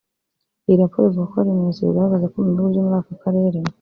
Iyi raporo ivuga ko hari ibimenyetso bigaragaza ko mu bihugu byo muri aka karere